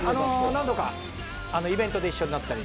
何度かイベントで一緒になったり。